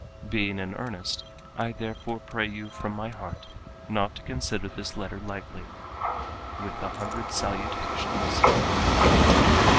Being in earnest, I therefore pray you from my heart not to consider this letter lightly. With a hundred salutations."